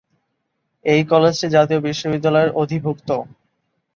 এই কলেজটি জাতীয় বিশ্ববিদ্যালয়ের অধিভুক্ত।